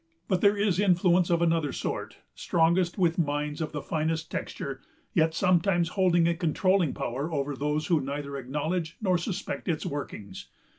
But there is influence of another sort, strongest with minds of the finest texture, yet sometimes holding a controlling power over those who neither acknowledge nor suspect its workings.